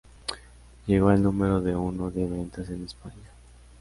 Llegó al número de uno de ventas en España.